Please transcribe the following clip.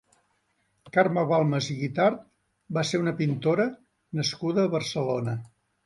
Carme Balmas i Guitart va ser una pintora nascuda a Barcelona.